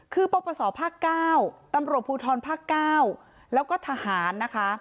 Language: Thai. คือปปศภ๙ตภภ๙แล้วก็ทหารนะคะ